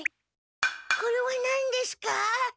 これは何ですか？